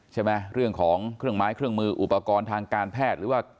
เรื่องของเครื่องไม้เครื่องมืออุปกรณ์ทางการแพทย์หรือว่า